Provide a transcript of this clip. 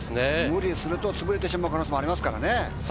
無理するとつぶれてしまう可能性がありますから。